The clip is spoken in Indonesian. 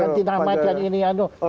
ganti nama dan ini dan itu